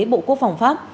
bộ quốc phòng pháp